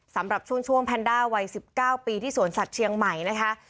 สำหรับช่วงแพนด้าวัย๑๙ปีที่สวนสัตว์เชียงใหม่นะคะ